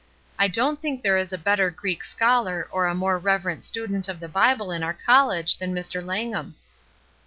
I don't think there is a better Greek scholar or a more reverent student of the Bible in our college than Mr. Langham."